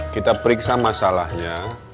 kita periksa masalahnya